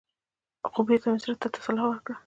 خـو بـېرته مـې زړه تـه تـسلا ورکړه.